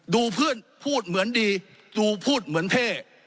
เพื่อนพูดเหมือนดีดูพูดเหมือนเท่